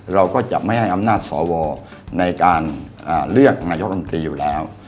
เราก็จะไม่ให้อำนาจสวในการเลือกนายกรรมตรีอยู่แล้ว